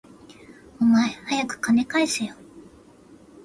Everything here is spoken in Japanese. お前、はやく金返せよ